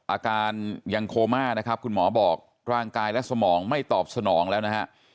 อาการยังโคม่านะครับคุณหมอบอกร่างกายและสมองไม่ตอบสนองแล้วนะฮะ